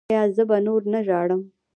ایا زه به نور نه ژاړم؟